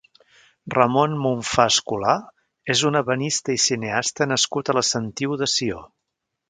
Ramon Monfà Escolà és un ebenista i cineasta nascut a la Sentiu de Sió.